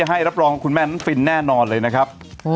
ให้รับรองว่าคุณแม่นั้นฟินแน่นอนเลยนะครับ